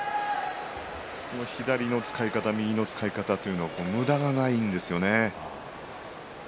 左の使い方、右の使い方というのは、むだがないんですよね。